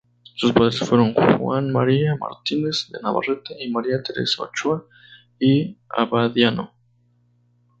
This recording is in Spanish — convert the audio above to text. Sus padres fueron Juan María Martínez de Navarrete y María Teresa Ochoa y Abadiano.